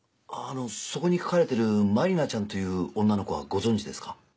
そこに書かれているまりなちゃんという女の子はご存じですか？